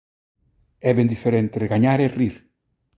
É ben diferente regañar e rir.